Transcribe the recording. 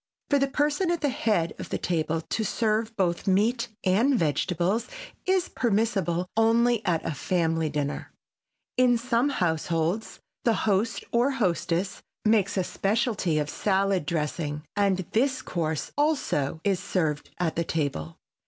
For the person at the head of the table to serve both meat and vegetables is permissible only at a family dinner. In some households the host or hostess makes a specialty of salad dressing, and this course, also, is served at the table.